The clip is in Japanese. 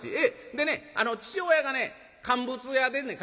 でね父親がね乾物屋でんねん。